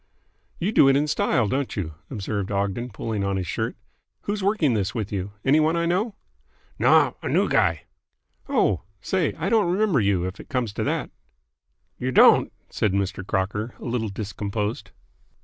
"You do it in style, don't you?" observed Ogden, pulling on his shirt. "Who's working this with you? Any one I know?" "Naw. A new guy." "Oh? Say, I don't remember you, if it comes to that." "You don't?" said Mr. Crocker a little discomposed.